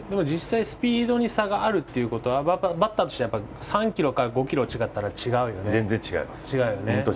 実際、スピードに差があるということはバッターとしては３キロから５キロ違ったら違うよね。